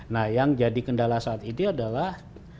nah yang jadi kendala saat ini adalah